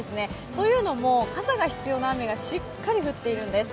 というのも傘が必要な雨がしっかり降っているんです。